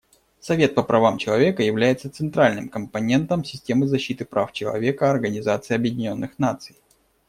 Совет по правам человека является центральным компонентом системы защиты прав человека Организации Объединенных Наций.